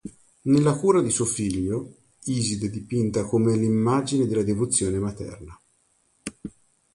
Nella cura di suo figlio, Iside è dipinta come l'immagine della devozione materna.